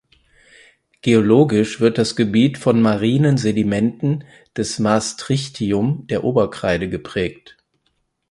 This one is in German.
Geologisch wird das Gebiet von marinen Sedimenten des Maastrichtium der Oberkreide geprägt.